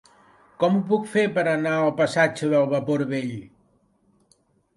Com ho puc fer per anar al passatge del Vapor Vell?